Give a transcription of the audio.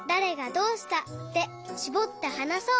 「どうした」でしぼってはなそう！